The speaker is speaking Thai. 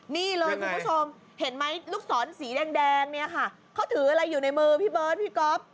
นี่เลยคุณผู้ชมเห็นไหมลูกศรสีแดงเนี่ยค่ะเขาถืออะไรอยู่ในมือพี่เบิร์ตพี่ก๊อฟ